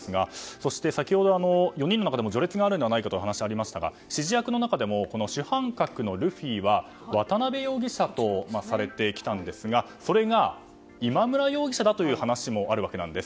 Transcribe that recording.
そしてその中で４人の中でも序列があるのではないかと話がありましたが指示役の中でも主犯格のルフィは渡邉容疑者とされてきたんですがそれが今村容疑者だという話もあるわけなんです。